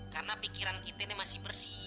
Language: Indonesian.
karena pikiran kita ini masih bersih